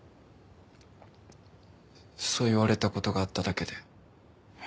そう言われた事があっただけで。